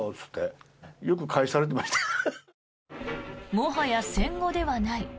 もはや戦後ではない。